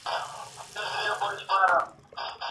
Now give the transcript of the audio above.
ماشومان د ساتني او امنیت حق لري.